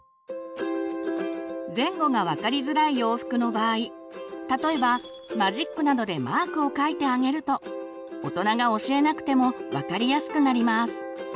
前後が分かりづらい洋服の場合例えばマジックなどでマークを書いてあげると大人が教えなくても分かりやすくなります。